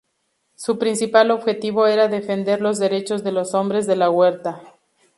Su principal objetivo era "defender los derechos de los hombres de la huerta".